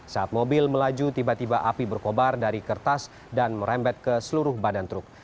saat mobil melaju tiba tiba api berkobar dari kertas dan merembet ke seluruh badan truk